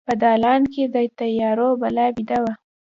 په دالان کې د تیارو بلا بیده وه